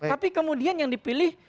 tapi kemudian yang dipilih